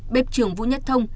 bếp trưởng vũ nhất thông